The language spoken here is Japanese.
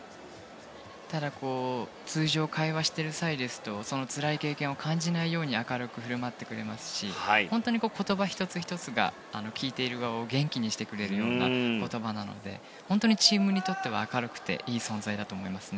ただ、通常会話している際ですとそのつらい経験を感じないように明るく振る舞ってくれますし本当に言葉１つ１つが聞いている側を元気にしてくれるような言葉なので本当にチームにとっては明るくていい存在だと思います。